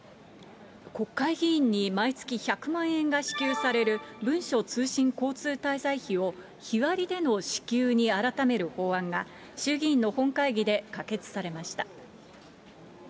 国会議員に毎月１００万円が支給される文書通信交通滞在費を、日割りでの支給に改める法案が、衆議院の本会議で可決されました。